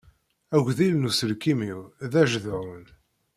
Agdil n uselkim-iw d ajedɛun.